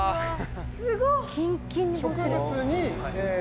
すごっ！